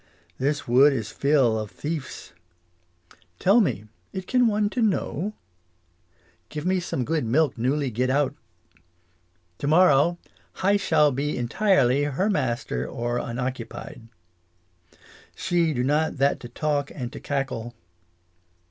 This wood is fill of thief's. Tell me, it can one to know ? Give me some good milk newly get out. To morrow hi shall be entirely (her master) or unoccupied. She do not that to talk and to cackle.